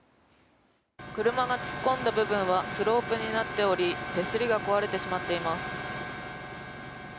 車が突っ込んだ部分はスロープになっており手すりが壊れてしまっています。